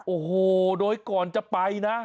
โอ้โหโดยก่อนจะไปนะ